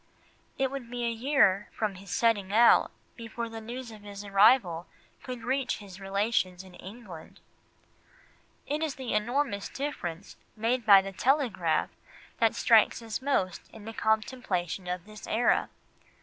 It would be a year from his setting out before the news of his arrival could reach his relations in England. It is the enormous difference made by the telegraph that strikes us most in the contemplation of this era.